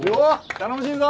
頼もしいぞ！